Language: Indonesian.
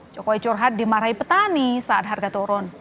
jokowi curhat dimarahi petani saat harga turun